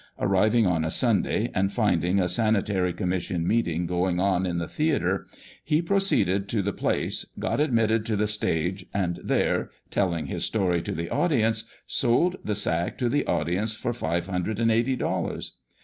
Arriving on a Sunday, and finding a Sanitary Commission meeting going on in the theatre, he proceeded to the place, got admitted to the stage, and there, telling his story to the audience, sold the sack to the audience for five hundred and eighty dollars.